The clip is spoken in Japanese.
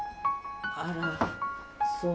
あらそう。